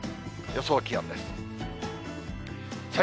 予想気温です。